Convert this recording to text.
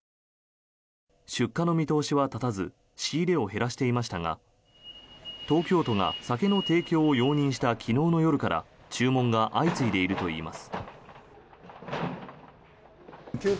出荷の見通しは立たず仕入れを減らしていましたが東京都が酒の提供を容認した昨日の夜から注文が相次いでいるといいます。